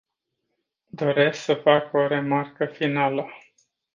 Doresc să fac o remarcă finală.